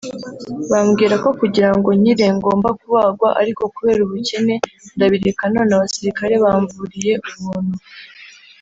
bambwira ko kugira ngo nkire ngomba kubagwa ariko kubera ubukene ndabireka none abasirikare bamvuriye ubuntu